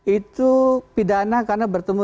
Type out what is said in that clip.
itu pidana karena bertemu